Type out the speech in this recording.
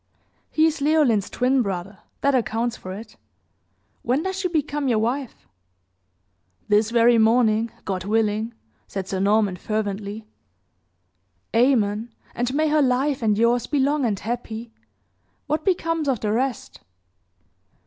"He is Leoline's twin brother that accounts for it. When does she become your wife?" "This very morning, God willing!" said Sir Norman, fervently. "Amen! And may her life and yours be long and happy. What becomes of the rest?"